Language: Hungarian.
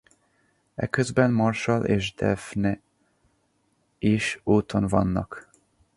Eközben Marshall és Daphne is úton vannak.